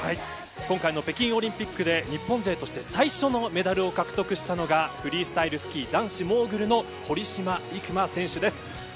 今回の北京オリンピックで日本勢として最初のメダルを獲得したのがフリースタイルスキー男子モーグルの堀島行真選手です。